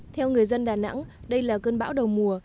theo người dân đà nẵng đây là cơn bão đầu mùa